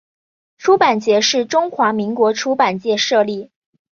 出版节是中华民国出版界设立。